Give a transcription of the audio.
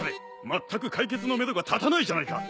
まったく解決のめどが立たないじゃないか！